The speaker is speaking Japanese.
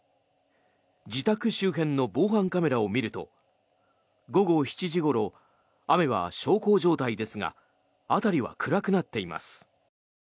自宅周辺の防犯カメラを見ると午後７時ごろ雨は小康状態ですが辺りは暗くなっています。